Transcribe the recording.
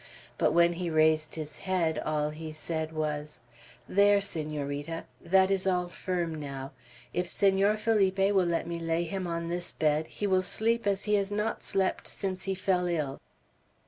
But when he raised his head, all he said was, "There, Senorita! That is all firm, now. If Senor Felipe will let me lay him an this bed, he will sleep as he has not slept since he fell ill."